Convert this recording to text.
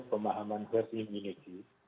pemahaman herd immunity